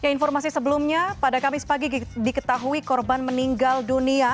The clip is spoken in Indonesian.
keinformasi sebelumnya pada kamis pagi diketahui korban meninggal dunia